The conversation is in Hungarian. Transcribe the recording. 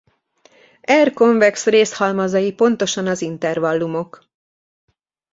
R konvex részhalmazai pontosan az intervallumok.